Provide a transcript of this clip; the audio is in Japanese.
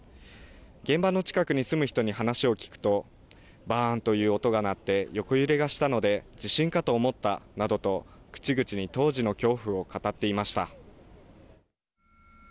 現場の近くに住む人に話を聞くとばーんという音が鳴って横揺れがしたので地震かと思ったなどと口々に当時の恐怖を語っていました。